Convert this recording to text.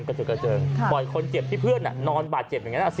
เจิดกระเจิงปล่อยคนเจ็บที่เพื่อนนอนบาดเจ็บอย่างนั้นสิ